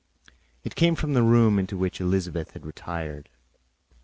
It came from the room into which Elizabeth had retired.